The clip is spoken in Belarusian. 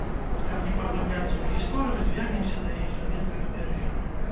Каб не паглыбляцца ў гісторыю, звернемся да яе савецкага перыяду.